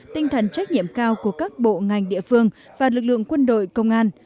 tinh thần trách nhiệm cao của các bộ ngành địa phương và lực lượng quân đội công an